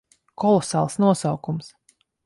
Kolosāls nosaukums.